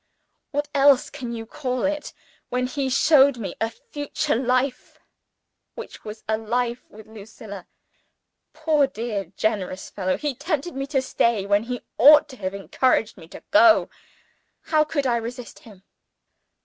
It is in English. What else can you call it when he showed me a future life, which was a life with Lucilla? Poor, dear, generous fellow, he tempted me to stay when he ought to have encouraged me to go. How could I resist him?